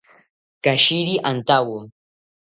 Katshiri antawo